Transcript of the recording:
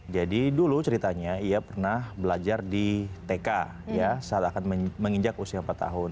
jadi dulu ceritanya ia pernah belajar di tk ya saat akan menginjak usia empat tahun